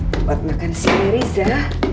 buat makan si rizal